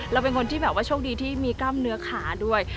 เป็นคนที่แบบว่าโชคดีที่มีกล้ามเนื้อขาด้วย